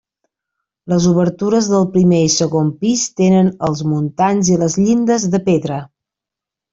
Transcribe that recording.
Les obertures del primer i segon pis tenen els muntants i les llindes de pedra.